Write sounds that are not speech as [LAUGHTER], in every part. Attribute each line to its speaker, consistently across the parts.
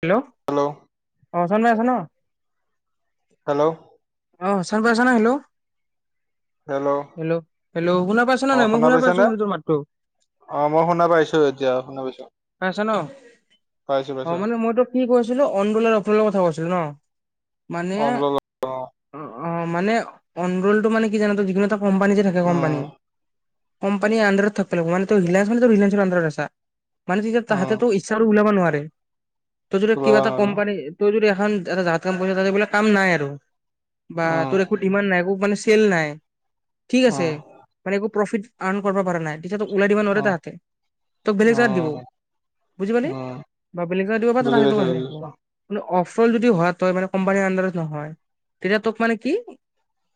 Speaker 1: Hello অঁ চন্দমাই আছ ন
Speaker 2: হেল্ল'।
Speaker 1: অ', চান পাইছ ন হেল্ল'। হেল্ল' হেল্ল' শুনা পাইছে ন
Speaker 2: অ
Speaker 1: নাই মই শুনা পাইছো
Speaker 2: পাইছানে
Speaker 1: শুণটোৰ মাতটো
Speaker 2: অ', মই শুনা পাইছো এতিয়া শুনা পাইছো
Speaker 1: পাইছা ন
Speaker 2: পাইছো
Speaker 1: অ
Speaker 2: পাইছো।
Speaker 1: মানে মইতো কি কৈছিলো অন আৰু অফলৰ কথা কৈছিলো ন মানে
Speaker 2: অ
Speaker 1: অ অ মানে অনোলটো মানে কি জান যিকোনো এটা কোম্পানী যে থাকে
Speaker 2: উম
Speaker 1: কম্পানী - কোম্পানী আন্ধাৰত থাকিব লাগিব মানে ৰিলাযেন্সটো ৰিলাযেন্সৰ আন্দাৰত আছা মানে তেতিয়া
Speaker 2: উম
Speaker 1: তাহাঁতেো ইচ্ছা আৰু ওলাব নোৱাৰে তই যদি কিবা
Speaker 2: ওলাবা
Speaker 1: এটা
Speaker 2: নোৱাৰো
Speaker 1: কোম্পানী তই যদি এখন কাম নাই আৰু বা
Speaker 2: উম
Speaker 1: তোৰ একো ডিমাণ্ড নাই মানে একো চেল নাই ঠিক আছে
Speaker 2: উম
Speaker 1: মানে একো প্ৰফিট আৰ্ণ কৰিব পৰা নাই। এতিয়া তোক ওলাই দিবা নোৱাৰে
Speaker 2: উম
Speaker 1: তাহাঁতে তোক বেলেগ জেগাত দিব
Speaker 2: উম
Speaker 1: বুজি পালি
Speaker 2: উম
Speaker 1: বা বেলেগ
Speaker 2: বুজি পাইছো বুজি
Speaker 1: থিব
Speaker 2: পাইছো
Speaker 1: [INAUDIBLE] অফল যদি হয় তই কম্পানী এণ্ডাৰত নহয় তেতিয়া তোক মানে কি?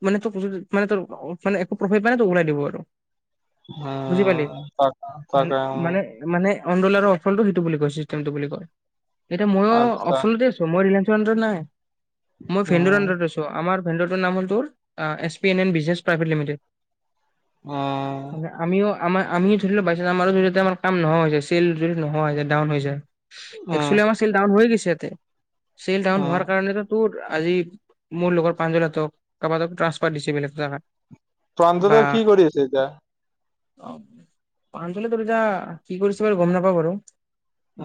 Speaker 1: মানে তোৰ মানে তোৰ মানে একো প্ৰফাইল পাই নাই তোৰ ওলাই দিব আৰু [INAUDIBLE] বুজি পালি
Speaker 2: উম তাক
Speaker 1: মানে
Speaker 2: তাকে উম
Speaker 1: মানে মানে অডল আৰু অফলটো সেইটো বুলি কয় চিষ্টেমটো বুলি কয়। এতিয়া মইো
Speaker 2: আচ্ছা
Speaker 1: অফতে আছো মই ৰিলায়েঞ্চৰ আডাৰত নাই মই ফ্ৰেণ্ডৰ
Speaker 2: উম
Speaker 1: আডাৰত আছো আমাৰ নাম হ' এ এ এভে লমিেড [INAUDIBLE]
Speaker 2: অ।
Speaker 1: আমাৰ আমিও ধৰি লও বাাইছ আমাৰো ধৰি লতে আমাৰ কাম নহোৱা হৈছে চেলৰি নোহোৱা হৈছে ডাউন হৈছে।
Speaker 2: উম
Speaker 1: একচেলি আমাৰ চেল ডাউন হৈ গৈছে ইতে চেল ডাউন
Speaker 2: উম
Speaker 1: হোৱাৰ কাৰণো তোৰ আজি মোৰ লগৰ পাঞ্জলহঁতক কাৰবক ট্ৰা্সফাৰ দিছে বেলে জাগাত।
Speaker 2: প্ৰাঞ্জলে কি কৰি আছে এতিয়া?
Speaker 1: অ প্ৰঞ্জালে ত এতিয়া কি কৰিছ বাৰু গম নাপাও বাৰু।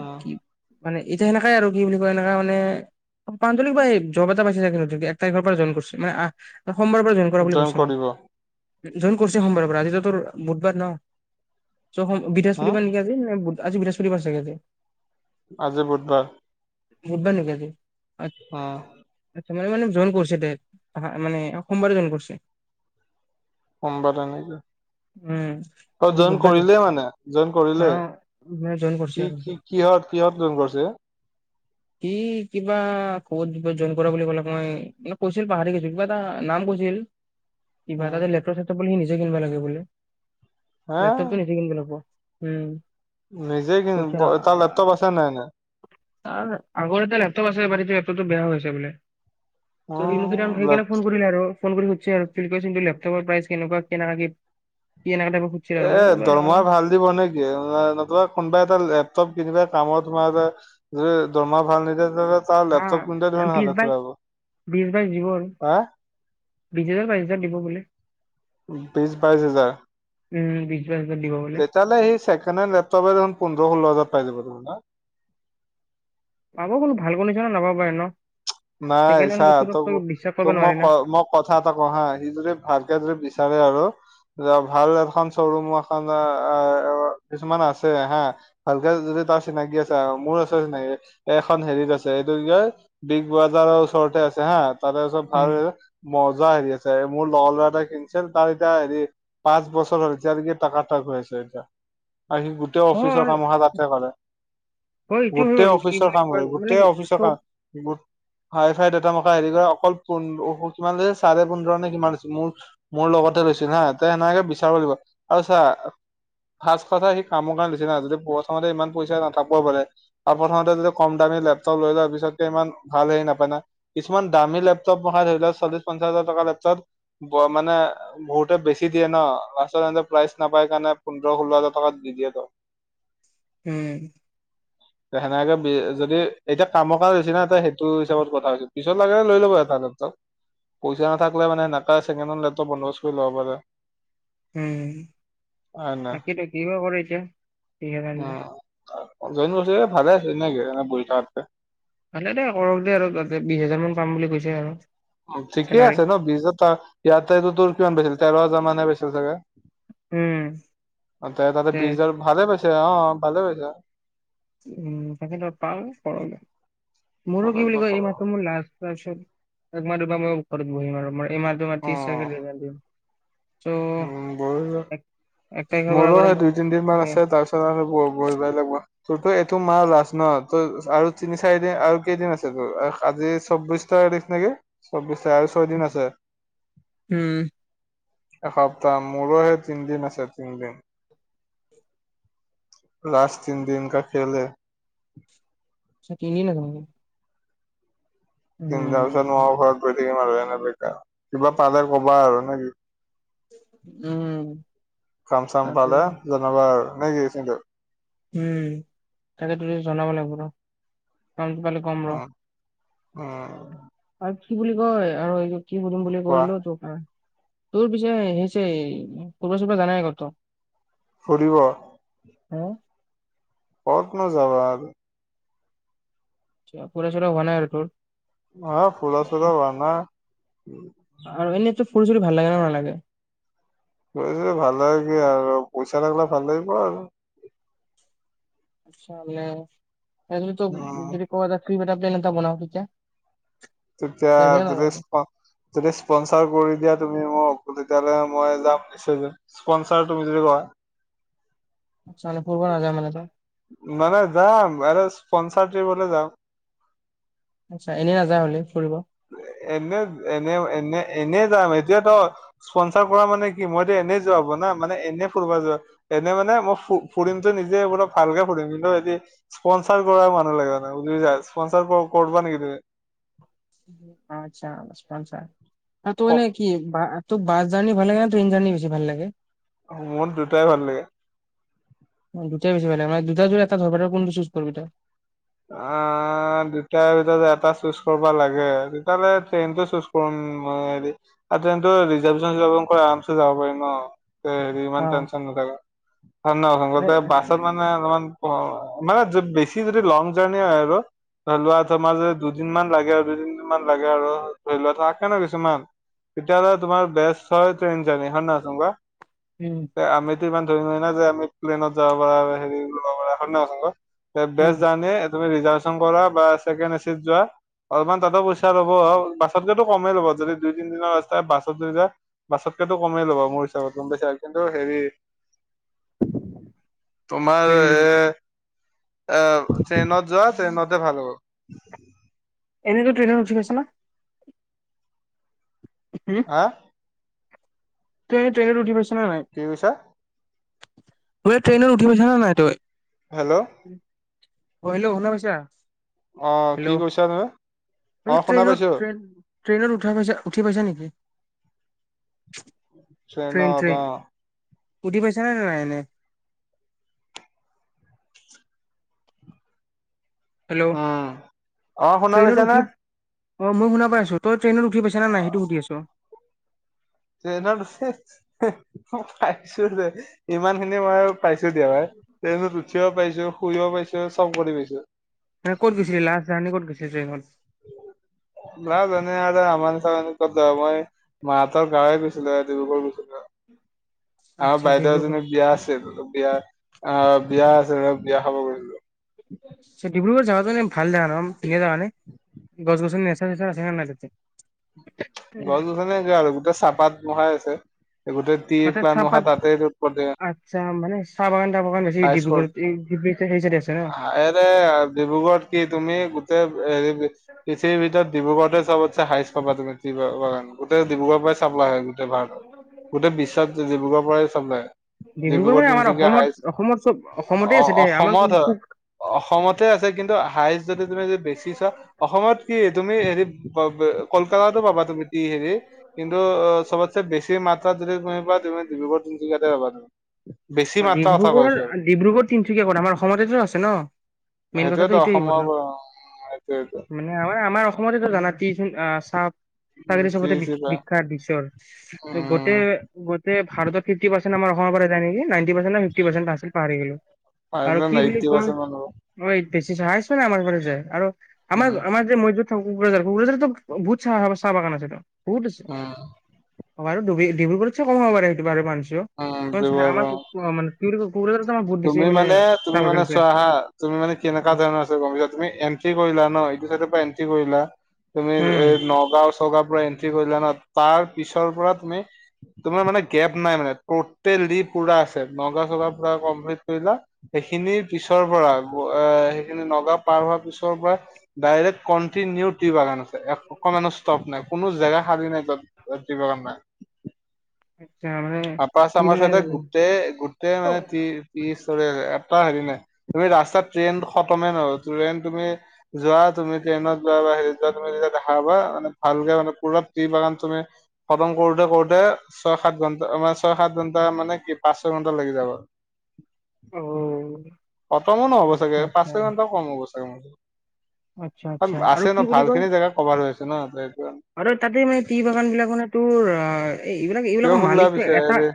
Speaker 2: আহ।
Speaker 1: কি মানে এতিয়া সনেকাই আৰু কি বুলি কয় এনেকা মানে- প্ৰাঞ্জলে কিবা এই জব এটা পাইছে চাগে এক তাৰিখৰ পৰা জইন কৰিছে মে সোমবাৰৰ পৰা জইন কৰা বুলি কৈছে মোক। জইন কৰিছে সোমবাৰৰ পৰা আজিত তোৰ বুধবাৰ ন চ' বৃহস্পপতিৰ
Speaker 2: উম
Speaker 1: পৰা নেকি আজি ন আজি বৃহস্পতি বাৰ ছাগে আজি।
Speaker 2: আজি বুধবাৰ
Speaker 1: নিব ন গজ
Speaker 2: আহ।
Speaker 1: মানে মানে জইন কৰিছে দে ত মানে সোমবাৰে জইন কৰিছে।
Speaker 2: সোমবাৰে নেকি?
Speaker 1: উম
Speaker 2: অ
Speaker 1: আজি
Speaker 2: জইন
Speaker 1: বুধবাৰ
Speaker 2: কৰিলেই মানে জইন
Speaker 1: অ
Speaker 2: কৰিলেই
Speaker 1: মানে জইন কৰিছে
Speaker 2: কি
Speaker 1: আৰু
Speaker 2: কি কিহঁত কিহঁত জন কৰিছে?
Speaker 1: [UNINTELLIGIBLE] কি কিবা ক জইন কৰা বুলি ক'লা মই মানে কৈছিল পাহৰি গৈছো কিবা এটা নাম কৈছিল। উম। কিবা
Speaker 2: উম,
Speaker 1: তাতে লেপটপ চেপটপ বুলি সি নিজে কিনিব লাগে ব
Speaker 2: হে
Speaker 1: লেপটপটো নিজে কিনিব লাগিব। উম।
Speaker 2: নিজে কি
Speaker 1: কৈছে আৰু
Speaker 2: এটা লেপটপ আছে নে নাই।
Speaker 1: আগৰ এয়া লেপটপ আছে বাৰী লেপটপটো বেয়া হৈছে বোলে।
Speaker 2: অ
Speaker 1: ত মখ হৈ
Speaker 2: লেপ
Speaker 1: গলে ফোন কৰিলা আৰু। ফোন কৰি খুজ আৰু কৰিছন্তু লেপটপৰ প্ৰাইচ কেনেুৱা কেনোকা কি? কি এনেকা টাইপৰ সুধিছিল আৰু
Speaker 2: এ
Speaker 1: মই ক'লো এনেকা
Speaker 2: দৰমহা
Speaker 1: এনেকা
Speaker 2: ভাল দিব নেকি নতুবা কোনোবা এটা লেপটপ। কিবা কামত সোমোৱা যায় যে দৰমহ ভাল নিদে ত লেপটপ কিন ধ
Speaker 1: অ বিশ বাইশ
Speaker 2: হালব
Speaker 1: বিশ বাইশ দিব আৰু
Speaker 2: হা?
Speaker 1: বিশ হাজাৰ বাইচ হাজাৰ দিব বোলে।
Speaker 2: বিশছ বাইশ হাজাৰ।
Speaker 1: উম। বাইশ হাজাৰ দিব বোলে
Speaker 2: তেতিয়াহ'লে সেই ছেকেড হেণ্ড লেপটপেোন পোধৰ হাজাৰ পাই যাব তমা [INAUDIBLE]
Speaker 1: পাব বোলো ভাল ক নিছ ন নাপাবা এ ন।
Speaker 2: নাই
Speaker 1: ছেকেণ্ড হেণ্ড
Speaker 2: চা
Speaker 1: বস্তুটোক তই
Speaker 2: ত-
Speaker 1: বিশ্বাস কৰিব
Speaker 2: তোক মই
Speaker 1: নোৱাৰি না
Speaker 2: কম কথা এটা ক'হা সি যদি ভালকে যদি বিচাৰে আৰু যা ভাল এখন চৰুম এখন আ, আ, কিছুমান আছেহা ভালকে যদি তাৰ চিনাকি আছে আৰু মোৰ আছে চিনাকি, এখন হেৰিত আছে এইটো কি কয় বিগ বজাৰৰ ওচৰতে আছেহা, তাৰে চব ভাল।
Speaker 1: উম
Speaker 2: মজা হেৰি আছে মোৰ লগৰ ল'ৰা এটা কিনছিল তাৰ এতিয়া হেৰি পাঁচ বছৰ হ'ল এতিয়ালিকি টাকাটাক। ৰৈছে এতিয়া।
Speaker 1: [INAUDIBLE]
Speaker 2: আজি গোটেই অফিচৰ
Speaker 1: হয়
Speaker 2: কাম অহা তাতে কৰে।
Speaker 1: হয় এইটো হয়
Speaker 2: গোটেই
Speaker 1: আৰু কি
Speaker 2: অফিচৰ
Speaker 1: বুলি
Speaker 2: কাম
Speaker 1: কয়
Speaker 2: লয়,
Speaker 1: মানে
Speaker 2: গোটেই
Speaker 1: কি
Speaker 2: অফিচৰ কা
Speaker 1: চব
Speaker 2: গোট হাই ফাই ডেটা মশা হেৰি কৰ অকল পোন ল' কিমান দিয়ে চাৰে পোন্ধৰ নে কিমান মোৰ মোৰ লগতে ৰৈছি হা ত' সেনেকে বিচাৰ কৰিব আৰু চা ফাষ্ট কথা সি কামৰ কাৰণ লুচি না যদি প্ৰথমতে ইমান পইচা নাথাকব' পাৰে আৰু প্ৰথমতে যদি কম দা এ, লেপটপ লৈ লোৱা পিছত তেমান ভাল হেৰি নাপায় না কিছুমান দামী লেপটপ মখাই ধৰি লোৱা চল্লিশ পঞ্চাশ হাজাৰ টকা লেপটদ ব ত মানে বহুতে বেছি দিয়ে ন' লাষ্টত এন্তে প্ৰাইজ নাপাই কাৰণে পোন্ধৰ ষোল্ল হাজাৰ টকাত দি দিয়ে ত'।
Speaker 1: হম।
Speaker 2: সেনেকে বি যদি এতিয়া কামক [UNINTELLIGIBLE] গেচিনা ত' সেইটো হিচাপত কথা কৈছোঁ পিছত লাগে লৈ ল'ব এটা দত্ব পইচা নাথাকিলে মানে এনেকা ছেকেণ্ড হেণ্ড লেপটপ বন্দবস্ত কৰি ল'ব পাৰে।
Speaker 1: উম। তাকেটো, কিবা কৰে এতিয়া? বিশ হাজাৰ
Speaker 2: অ।
Speaker 1: দিলে।
Speaker 2: জৈন কৰিছে ভালে আছে নেকি এনে বহি থাকাতকে।
Speaker 1: ভালে দে কৰকদে আৰু তাতে বিজ হাজাৰ মান পাম বুলি কৈছে আৰু।
Speaker 2: উম, ঠিকেই
Speaker 1: চেলাৰী
Speaker 2: আছে ন বিচ হাজাৰ টকা ইয়াতেটো তোৰ কিমান পাইছিল তেৰ হাজাৰ মানহে পাইছিল চাগে।
Speaker 1: উম
Speaker 2: অ' তে তাতে বিচ হাজাৰ ভালে পাইছে, অ'ভালে পাইছা।
Speaker 1: উম, তাকেটো পাওঁ তৰলে।
Speaker 2: উম
Speaker 1: মোৰো কি বুলি কয় এই মাহটো মোৰ লাষ্ট। তাৰপাছত এক মাহ, দুইমাহ মুৰত ঘৰত বহিম আৰু মই এই মাহটো মই ত্ৰিশ তাৰিখে জমা দিম। চ'
Speaker 2: উম, বঢ়িবা।
Speaker 1: এক এক তাৰিখৰ পৰা
Speaker 2: মোৰো
Speaker 1: বাৰু
Speaker 2: সেই
Speaker 1: মই
Speaker 2: দুই তিনদিন মান
Speaker 1: মানে
Speaker 2: আছে তাৰ পিছত আৰু ব-বঢ়িবা যাব। তোৰ তো এইটো মা লাষ্ট ন, তই আৰু তিনি, চাৰি দিন আৰু কেইদিন আছে তোৰ আহ আজি চৌব্বিশ ছয়ত্ৰিছ নেকি। চৌব্বিশ আৰ ছয় দিন আছে।
Speaker 1: উম।
Speaker 2: এসপ্তাহ মোৰহে তিনদিন আছে তিনদিন। লাষ্ট তিনদিন কা খেল হে।
Speaker 1: চাকিনি নাভাঙিলে
Speaker 2: তিনটা পিছত মই ঘৰত গৈ থাকিম আৰু এনে বেকাৰ কিবা পালে কবা আৰু নেকি?
Speaker 1: উম
Speaker 2: কাম চাম
Speaker 1: তাকে
Speaker 2: পালে জনাবা আৰু নে কি চিন্তো।
Speaker 1: উম, তাকে তুমি জনাব লাগিব ৰ'হ কামটো পালে কম ৰ'হ।
Speaker 2: অহ'
Speaker 1: কি বুলি কয় আৰু এই কি সুধিম বুলি
Speaker 2: কোৱা
Speaker 1: কৰিলোঁ তোক আহ তোৰ পিছে হেইচেই ঘুৰিব চুৰিব যোৱা নাই ক'তো?
Speaker 2: ফুৰিৱ।
Speaker 1: উম,
Speaker 2: কতনো যাবা আৰু।
Speaker 1: আচ্ছা, ফুৰা চুৰা হোৱা নাই আৰু তোৰ?
Speaker 2: অ, ফুৰা চুৰা হোৱা নাই।
Speaker 1: আৰু এনেতো ফুৰি চুৰি ভাল লাগে ন নালাগে?
Speaker 2: [UNINTELLIGIBLE] ভাল লা কি আৰু পইচা থাকলে ভাল লাগিব আৰু।
Speaker 1: আচ্ছা নে এনে তোক
Speaker 2: উম
Speaker 1: যদি ক এটা কৃপ এটা প্লেন এটা বনাও তেতিয়া।
Speaker 2: তেতিয়া
Speaker 1: যাবি নে
Speaker 2: যদি
Speaker 1: নাযাবি
Speaker 2: স্প যদি স্পনছাৰ কৰি দিয়া তুমি মোক। তেতিয়াহলে মই যাম নিশ্চয় স্পনচাৰ তুমি যদি কা
Speaker 1: আচ্ছা মান পূৰব নাযায় মানে ত
Speaker 2: মানে যাম আৰুৰে স্পনচাৰট্ৰিপলে যাম [INAUDIBLE]
Speaker 1: আচ্ছা এনেই নাযা হলে ফুৰিব।
Speaker 2: এনে এনে এনে এনে যাম, এতিয়া তো স্পচাৰ কৰা মানে কি মইতো এনে যোৱা হ'ব। না মানে এনে ফুৰিবা য এনে মানে মই ফ ফুৰিমতো নিজে পৰা ভালকে ফুৰিম কিন্তু এি স্পনচাৰ কৰা মানুহ লাগে মানে বুজি যায় স্পনচাৰ কৰিববা নেকি তুমি?
Speaker 1: আচছা পচপ ছ ত
Speaker 2: ক
Speaker 1: নে কি [INAUDIBLE] তোৰ বাছ জাৰ্নি ভাল লাগে ট্ৰেইন জাৰ্নি বেছি ভাল লাগে
Speaker 2: মোৰ দুটাই ভাল লাগে
Speaker 1: দুটাই বেছি ভাল লাগে মান দুটা জোৰ এটা ধৰবোনটো চুজব এটা [INAUDIBLE]
Speaker 2: অ দুটাৰ ভিতৰত এটা চুজ কৰিবা লাগে তেতিয়াহ'লে ট্ৰেইনতটো চুজ কৰিম। উ হে ট্ৰেইনটো ৰিজাৰ্ভেশন চন আৰাম চ যাব পাৰিম ন [INAUDIBLE] হেৰি ইমান
Speaker 1: অ
Speaker 2: টেনচন নাথাকো ধন্যব গো
Speaker 1: এ
Speaker 2: বাছত মানে অলপমান [INAUDIBLE] মানে বেছি যদি লং জাৰ্ণি হয় আৰু। ধৰি লোৱা তোমাৰ যে দুদিনমান লাগে আৰু দুই তিদিনমান লাগে আৰু ধৰিলুৱা থ আাকে ন কিছুমান তেতিয়া হলে তোমাৰ বেস হয় ট্ৰেইন জাৰ্নি, হয় ন চোন কোৱা
Speaker 1: উম
Speaker 2: আমি ইমান ধৰি ন হয় ন যে আমি প্লেনত যাব পাৰা হেৰি লব [UNINTELLIGIBLE]
Speaker 1: উম
Speaker 2: বেষ্ট জাৰ্ণি তুমি ৰিজাৰ্ভেশ্যন কৰা বা ছেকেণ্ড এচিত যোৱা অলপমান তাতো পইচা ল'ব, বাছতকেটো কমেই ল'ব, যদি দুই তিনি দিনৰ ৰাস্তাই বাছত যায় বাছত [UNINTELLIGIBLE] কমেই ল'ব মোৰ হিচাপত গম পাইছা, কিন্তু হেৰি
Speaker 1: [INAUDIBLE]
Speaker 2: তোমাৰ
Speaker 1: উম
Speaker 2: এ এ যোৱা ট্ৰেইনতে ভাল হ'ব।
Speaker 1: এনেইতো ট্ৰেইনত উঠি গৈছে না। হম
Speaker 2: হা?
Speaker 1: ট্ৰেইন ট্ৰেইনত উঠি পাইছ
Speaker 2: কি কৈছা?
Speaker 1: ব ট্ৰেইন উঠি পাইছানে নাই তই
Speaker 2: হেল্ল'।
Speaker 1: অ', হেল্ল' শুনা পাইছা?
Speaker 2: অ কি
Speaker 1: হেল্ল',
Speaker 2: কৈছা তুমি অ শুনা
Speaker 1: ট্ৰেইনত
Speaker 2: পাইছো
Speaker 1: ট্ৰেইন ট্ৰেইনত উঠা পাইছা উঠি পাইছা নেকি ট্ৰেইন
Speaker 2: ট্ৰেনত
Speaker 1: ট্ৰেইন
Speaker 2: অ '
Speaker 1: উঠি পাইছা নাই ন ন এনে
Speaker 2: উম অ শুনা
Speaker 1: হেল্ল'
Speaker 2: পাইছা নে
Speaker 1: উঠি অ' মই শুনা পাই আছো তই ট্ৰেইনত উঠি পাইছ নে নাই সেইটো সুধি আছ
Speaker 2: ট্ৰেইনত পাইছো দে, ইমান খিনি মই পাইছো দিয়া বাৰ। ট্ৰেইনত উঠিও পাইছো, শুইও পাইছো চব কৰি পাইছো।
Speaker 1: মানে ক'ত গৈছিল লাষ্ট জাৰ্ণি ক'ত গৈছিল ট্ৰেইনত
Speaker 2: [UNINTELLIGIBLE] মই মাহঁতৰ গাঁৱে গৈছিলো, ডিব্ৰুগড়ত গৈছিলো।
Speaker 1: [INAUDIBLE]
Speaker 2: আমাৰ
Speaker 1: আচ্ছা
Speaker 2: বাইদেউ
Speaker 1: ডিব্ৰুগড়
Speaker 2: এজনী বিয়া আছিল, বিয়া অ', বিয়া আছে বিয়া খাব গৈছিলো।
Speaker 1: [INAUDIBLE] ডিব্ৰুগড় জাগাটোএনে ভাল [UNINTELLIGIBLE]
Speaker 2: গছ গছনি [UNINTELLIGIBLE] আৰু গোটেই চাহপাত বহাই আছে গোটেই টি
Speaker 1: ম
Speaker 2: প্লান মহা
Speaker 1: চাহপাত
Speaker 2: তাতে এৰে
Speaker 1: আচ্ছা মানে চাহ বাগান চাহ বাগান বেছি ডিব্ৰুগড়ত ড
Speaker 2: এৰে ডিব্ৰুগড়ত কি তুমি গোট হেৰি পৃথিৱীৰ ভিতৰত ডিব্ৰুগড়তে চবতছে হাইষ্ট তুমি বাগান গোটেই ডিব্ৰুগড় পাই চাবলাই আহে গোটেই ভাৰত গোটেই বিশ্বত যে ডিব্ৰুগড় পৰাই চাবলাই ডিব্ৰুগড়
Speaker 1: মানে আমাৰ
Speaker 2: তিনিচুকীয়া
Speaker 1: অসমত
Speaker 2: হাই
Speaker 1: অসমত চব অসমতে
Speaker 2: ছঅ
Speaker 1: আছে দে আমাৰ
Speaker 2: অসমত হয় অসমতে আছে কিন্তু হাইজ যদি তুমি বেছি চোৱা অসমত কি তুমি হেৰি কলকাতাতো পাবা তুমি হেৰি কিন্তু অ চবতে বেছি মাত্ৰা যদি তুমি পা তুমি ডিব্ৰুগড় তিনিচুকীয়াতে পাবা বেছি মাত্ৰা কথা
Speaker 1: ডিব্ৰুগড়
Speaker 2: কৈছো আৰু
Speaker 1: ডিব্ৰুগড় তিনিচুকীয়া কত আমাৰ অসমতেতো আছে ন মেইন কথাটো
Speaker 2: সেইটোয়েতো
Speaker 1: এইটোৱেই
Speaker 2: অসমৰ সেইটোৱেটো
Speaker 1: মানে আমাৰ আমাৰ অসমতেতো জানা চোন আহ চাহ
Speaker 2: উম টি চি
Speaker 1: [UNINTELLIGIBLE]
Speaker 2: পা
Speaker 1: বিখ্যাত বিশ্বৰ গোটে
Speaker 2: উম
Speaker 1: গোটে ভাৰত ফিফটি পাৰ্চে আম অসমৰ পৰা যায় নেকি নেকি নাইন্টি পাৰ্চেন্ট আছিল পাহৰি গোলো আৰু
Speaker 2: এইটো
Speaker 1: কি বুলি
Speaker 2: এইট্টি
Speaker 1: কয়
Speaker 2: পাৰ্চেন্ট মান হ'ব
Speaker 1: ঐ বেছি চহাইছ নে আমাৰ ঘ যে আৰু আমাৰ
Speaker 2: উম
Speaker 1: আমাৰ যে মু কোকৰাঝাৰ কোকৰাঝাৰতো বহুত চাহ চাহ বাগান আছেটো বহুত আছে
Speaker 2: উম
Speaker 1: অ ব ডি ডিব্ৰুগড়ত চে কম হাব পাৰে সেইটো বাৰু মানছ
Speaker 2: উম
Speaker 1: আমাক
Speaker 2: ডিব্ৰুগড়
Speaker 1: ম কি কোকৰাঝাৰত আমাৰ বহুত বেছি
Speaker 2: তুমি মানে
Speaker 1: চাহ
Speaker 2: তুমি
Speaker 1: বাগান
Speaker 2: মানে
Speaker 1: আছে।
Speaker 2: চোৱা হা তুমি মানে কেনেকুৱা ধৰণৰ আছে গম পাইছা তুমি এণ্ট্ৰি কৰিলা ন এইটো চাইডৰ পৰা এন্ট্ৰি কৰিলা, তুমি
Speaker 1: উম
Speaker 2: এই নগাঁও চগাঁও পৰা এন্ট্ৰি কৰিলা ন তাৰ পিছৰ পৰা তুমি তোমাৰ মানে গেপ নাই মানে টটেলি পুৰা আছে নগা চগা পুৰা কম [UNINTELLIGIBLE] ল সেইখিনি পিছৰ পৰা এ সেইখিনি নগাঁও পাৰ হোৱাৰ পিছৰ পৰা ডাইৰেক্ট কণ্টিনিউ টি বাগান আছে। কমো স্তপ নাই কোনো জেগা সাৰি নাই [UNINTELLIGIBLE] নাই
Speaker 1: আচ্ছা মানে
Speaker 2: আপাচ
Speaker 1: কি
Speaker 2: আমাৰ
Speaker 1: হয়
Speaker 2: চাইতে গোটেই গোটেই
Speaker 1: অ
Speaker 2: মানে এটা হেৰি নাই তুমি ৰাস্তাত ট্ৰেইন খতমে নহ ট্ৰেইন তুমি যোৱা তুমি ট্ৰেইনত যোৱা বা হেৰিত যোৱা তুমি যেতিয়া দেখা পাবা মানে ভালকে মানে পুৰা টি বাগান তুমি খতম কৰোতে কৰোতে ছয় সাত ঘন্টা মে ছয় সাত ঘন্টা মানে কি পাঁচ ছয় ঘণ্টা লাগি যাব।
Speaker 1: অ
Speaker 2: [UNINTELLIGIBLE] নহ'ব চাগে পাঁচ ছয় ঘণ্টাও কম হ'ব চাগে ম
Speaker 1: আচ্ছা আচ্ছা আৰু
Speaker 2: আছে ন
Speaker 1: কি বুলি
Speaker 2: ভাল
Speaker 1: কয়
Speaker 2: খিনি জেগা কভাৰ হৈ আছে ন ত
Speaker 1: আৰু তাতেই মানে টি বাগান বিলাক মানে তোৰ অ এই এইবিলাক
Speaker 2: কিয়
Speaker 1: এইবিলাকৰ
Speaker 2: শুলা
Speaker 1: মালিক
Speaker 2: পিছে
Speaker 1: এটা
Speaker 2: হেৰি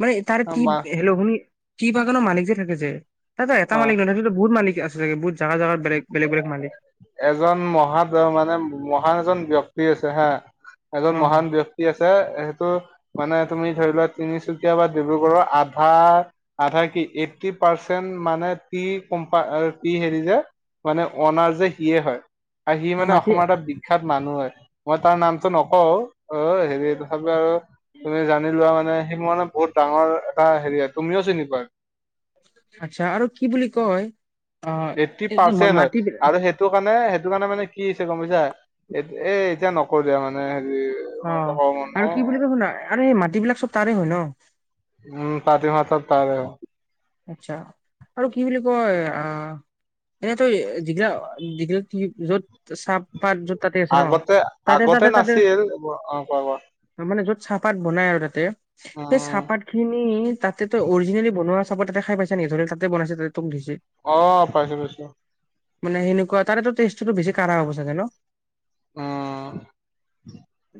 Speaker 1: মানে তাৰ কি
Speaker 2: মা
Speaker 1: হল শুনি কিবা কানো মালিক যে থাকে যে ততো এটা
Speaker 2: অ
Speaker 1: মালিক নহয় তত বহুত মালিক আছেগে বহুত জাগা জাগাত বেলেগ বেলেগ বেলেগ মালিক
Speaker 2: এজন মহা তাৰ মানে মহ মহান এজন ব্যক্তি আছে হা এজন
Speaker 1: অ
Speaker 2: মহান ব্যক্তি আছে সেইটো মানে তুমি ধৰি লোৱা তিনিচুকীয়া বা ডিব্ৰুগড়ৰ আধা আধা কি এট্টি পাৰ্চেন্ট মানে টি কম্পা টি হেৰি যে মানে অনাৰ যে সিয়ে হয় আৰু সি মানে অসমৰ এটা বিখ্যাত মানুহ হয় মই তাৰ নামটো নকওঁ। অ হেৰি তথাপি আৰু তুমি জানি লোৱা মানে সি মোৰ মানে বহুত ডাঙৰ এটা হেৰি তুমিও চিনি পুৱা
Speaker 1: আচ্ছা আৰু কি বুলি কয় অ
Speaker 2: এইট্টি
Speaker 1: এইটো মা-
Speaker 2: পাৰ্চেন্ট হয়
Speaker 1: মাটিবিলাক
Speaker 2: আৰু সেইটো কাৰণে সেইটো কাৰণে মানে কি হৈছে গম পা ইছা এ এ এতিয়া নকৰো দিয়া মানে হেৰি
Speaker 1: অ
Speaker 2: মই এতিয়া ক'ব মন
Speaker 1: আৰু
Speaker 2: নাই
Speaker 1: কি বুলি কয়চোন আৰু এই মাটিবিলাক চব তাৰে হয় ন
Speaker 2: উম পাতিমা চব পাৰে অ
Speaker 1: আচ্ছা আৰু কি বুলি কয় আহ এনে তই [UNINTELLIGIBLE] য'ত চাহ পাত যত তাতে আছে ন
Speaker 2: আগতে
Speaker 1: তাতে
Speaker 2: আগতে
Speaker 1: তাতে তাতে
Speaker 2: নাছিল অ কোৱা কোৱা
Speaker 1: মানে যত চাহপাত বনাই আৰু তাতে সেই
Speaker 2: উম
Speaker 1: চাহপাত খিনি তাতে তো অৰিজিনেলি বনোৱা চাহ পাত খাই পাইছা নি ধৰি তাতে বনাইছে যে তোক দিছে
Speaker 2: অ পাইছো পাইছো
Speaker 1: মানে সেনেকুৱা তাৰে ট টেষ্টিটো বেছি কাৰা হ'ব চাগে ন
Speaker 2: অ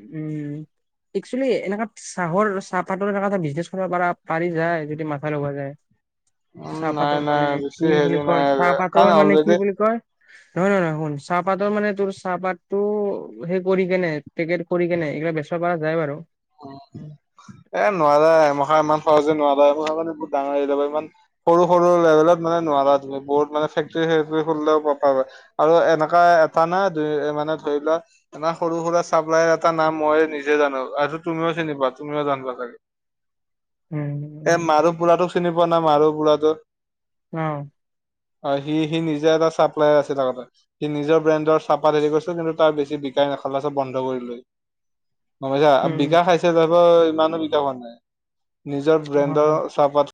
Speaker 1: উম। একচুৱেলি এনেকা চাহৰ চাহপাতৰ এ এটা বিজনেছ কৰিব প পাৰি যায় যদি মাথা লগোৱা যায়
Speaker 2: উম নাই
Speaker 1: চাহপাতৰ
Speaker 2: নাই
Speaker 1: মানে
Speaker 2: বেছি
Speaker 1: কি
Speaker 2: হেৰি
Speaker 1: বুলি
Speaker 2: নাই
Speaker 1: কয়
Speaker 2: আৰু কাৰণ
Speaker 1: চাহপাতৰ মানে
Speaker 2: অলৰেডি
Speaker 1: কি বুলি কয় নহয় নহয় নহয় শুন চাহপাতৰ মানে তোৰ চাহপাততটো সেই কৰি কেনেই পেকেট কৰি কেনেই [UNINTELLIGIBLE] বেছিব পৰা যায় বাৰু
Speaker 2: নানে ব ডাঙ এৰি ইমান সৰু সৰু লেভেলত মানে নোৱাৰ বহুত মানে ফেকট ফুলেও প আৰু এনেকা এটা নাই দুই মানে, ধৰি লোৱা এনে সৰু-সুৰা চাপ্লায়াৰ এটাৰ নাম মই নিজে জানো আৰু চিনিবা তুমিও জানিবা চাগে,
Speaker 1: উম
Speaker 2: এ
Speaker 1: উম
Speaker 2: মাৰু বুৰাটোক চিনি ন মাৰ' পুৰাটো
Speaker 1: অ।
Speaker 2: অ সি, সি, নিজে এটা চাপ্লায়াৰ আছিল আগতে, সি নিজৰ ব্ৰেণ্ডৰ চাহপাত হেৰি কৰিছিল কিন্তু তাৰ বেছি বি গখা চব বন্ধ কৰি লৈ
Speaker 1: [UNINTELLIGIBLE]
Speaker 2: মা আ
Speaker 1: উম
Speaker 2: [UNINTELLIGIBLE] নিজৰ ব্ৰেণ্ডৰ
Speaker 1: হয়
Speaker 2: চাহ পা